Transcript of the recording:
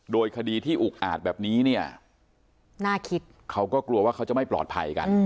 โดยคดีที่อุกอาจแบบนี้เนี่ยน่าคิดเขาก็กลัวว่าเขาจะไม่ปลอดภัยกัน